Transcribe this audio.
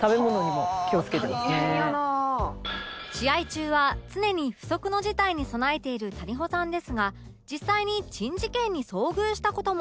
試合中は常に不測の事態に備えている谷保さんですが実際に珍事件に遭遇した事も